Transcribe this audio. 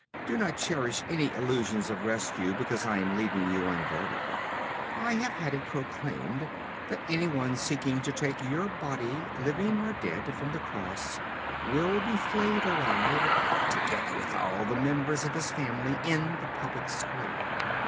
Do not cherish any illusions of rescue because I am leaving you unguarded. I have had it proclaimed that anyone seeking to take your body, living or dead, from the cross, will be flayed alive together with all the members of his family, in the public square.